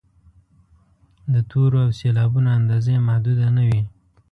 د تورو او سېلابونو اندازه یې محدوده نه وي.